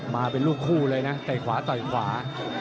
มาเป็นลูกคู่เลยนะเตะขวาต่อยขวา